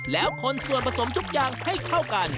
แล้วคนส่วนผสมทุกอย่างให้เข้ากัน